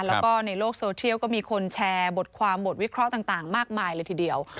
แล้วก็ในโลกโซเชียลก็มีคนแชร์บทความบทวิเคราะห์ต่างมากมายเลยทีเดียว